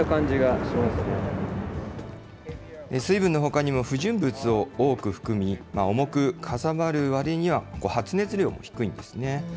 水分のほかにも不純物を多く含み、重くかさばるわりには発熱量も低いんですね。